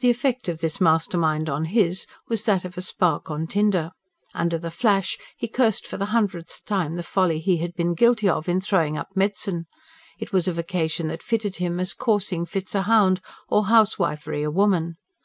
The effect of this master mind on his was that of a spark on tinder. Under the flash, he cursed for the hundredth time the folly he had been guilty of in throwing up medicine. It was a vocation that had fitted him as coursing fits a hound, or house wifery a woman.